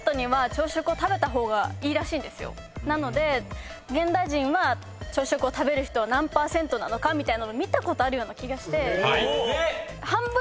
なので現代人は朝食を食べる人何％なのかみたいの見たことあるような気がして。